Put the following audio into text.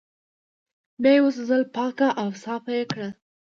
بيا يې وسوځول پاک او صاف يې کړل